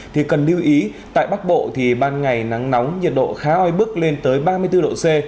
thì cần lưu ý tại bắc bộ thì ban ngày nắng nóng nhiệt độ khá oi bức lên tới ba mươi bốn độ c